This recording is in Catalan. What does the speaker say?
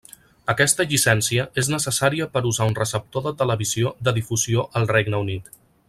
Aquesta llicència és necessària per usar un receptor de televisió de difusió al Regne Unit.